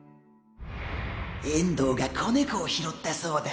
遠藤が子猫を拾ったそうだ。